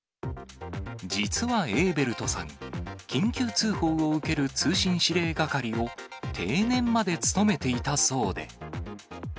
実はエーベルトさん、緊急通報を受ける通信指令係を定年まで勤めていたそうで。